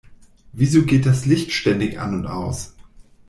Wieso geht das Licht ständig an und aus?